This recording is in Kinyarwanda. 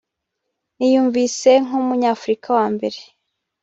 niyumvise nk’Umunyafurika wa mbere